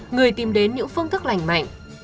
người tìm đến những phương thức lành mạnh